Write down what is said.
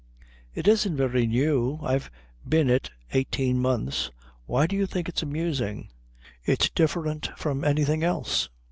"It isn't very new. I've been it eighteen months. Why do you think it's amusing?" "It's different from anything else.